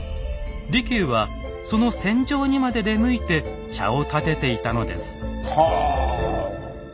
利休はその戦場にまで出向いて茶をたてていたのです。